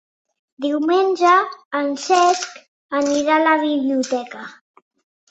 Diumenge en Cesc anirà a la biblioteca.